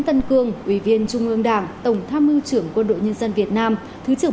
tân cương ủy viên trung ương đảng tổng tham mưu trưởng quân đội nhân dân việt nam thứ trưởng